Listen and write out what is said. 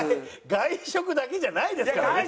外食だけじゃないですからね。